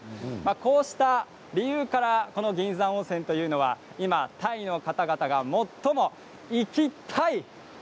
こうした理由から銀山温泉というのは今タイの方々が最も行きタイ！